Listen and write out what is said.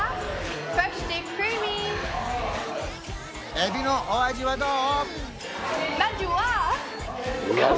エビのお味はどう？